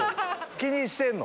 気にしてんの？